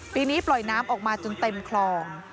ปีนี้ปล่อยน้ำออกมาจนเต็มคลอง